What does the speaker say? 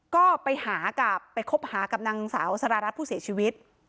ก็ไปหากับไปคบหากับนางสาวสารรัฐผู้เสียชีวิต